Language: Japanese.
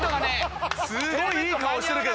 すごいいい顔してるけど。